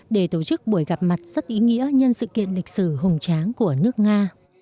để tổ chức buổi gặp mặt rất ý nghĩa nhân sự kiện lịch sử hùng tráng của nước nga